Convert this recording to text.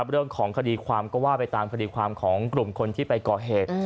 เรื่องของคดีความก็ว่าไปตามคดีความของกลุ่มคนที่ไปก่อเหตุ